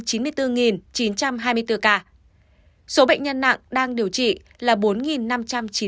số bệnh nhân nặng đang điều trị là bốn năm trăm chín mươi chín ca